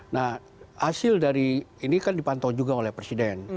nah hasil dari ini kan dipantau juga oleh presiden